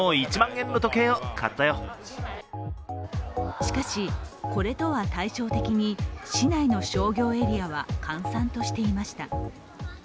しかし、これとは対照的に市内の商業エリアは閑散としていました。